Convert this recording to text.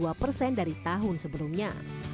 atau naik dua persen dari tahun sebelumnya